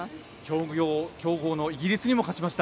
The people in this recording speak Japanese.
強豪のイギリスにも勝ちました。